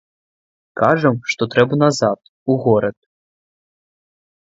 Кажам, што трэба назад, у горад.